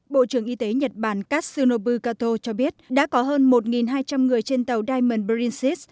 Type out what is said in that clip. bộ trưởng y tế nhật bản kasunobu kato cho biết đã có hơn một hai trăm linh người trên tàu diamond brincess